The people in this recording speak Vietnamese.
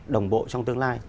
đồng bộ trong tương lai